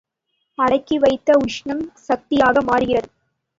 அடக்கி வைத்த உஷ்ணம் சக்தியாக மாறுகிறது.